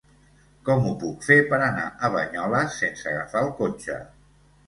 Com ho puc fer per anar a Banyoles sense agafar el cotxe?